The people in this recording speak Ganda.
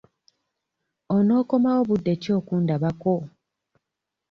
Onookomawo budde ki okundabako?